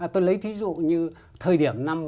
tôi lấy thí dụ như thời điểm này